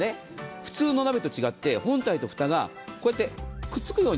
普通の鍋と違って本体と蓋がこうやってくっつくように、